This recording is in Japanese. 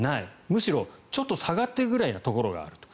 むしろちょっと下がっているぐらいなところがあると。